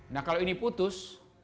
nah kalau ini putus